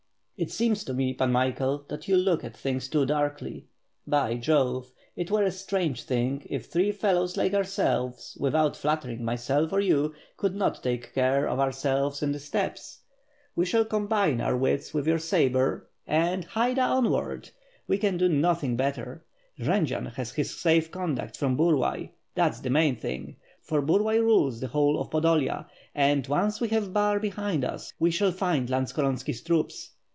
It seems to me Pan Michael, that you look at things too darkly. By Jove, it were a strange thing if three fellows like ourselves, without flattering myself or you, could not take care of ourselves in the steppes. We shall combine our wits with your sabre, and WITH FIRE AND SWORD, 667 'Haida! onward! We can do nothing better. Jendzian has his safe conduct from Burlay, that's the main thing, for Bur lay rules the whole of Podolia, and once we have Bar behind us, we shall find Lantskorontski's troops.